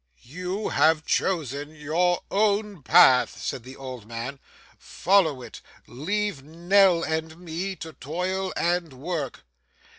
'You have chosen your own path,' said the old man. 'Follow it. Leave Nell and me to toil and work.